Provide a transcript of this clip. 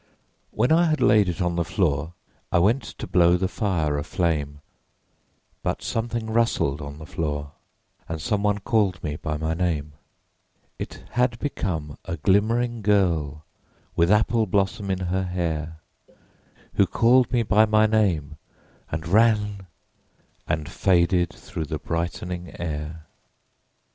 When I had laid it on the floor I went to blow the fire a flame, But something rustled on the floor, And someone called me by my name: It had become a glimmering girl With apple blossom in her hair Who called me by my name and ran And faded through the brightening air.